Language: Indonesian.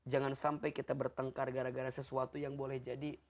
jangan sampai kita bertengkar gara gara sesuatu yang boleh jadi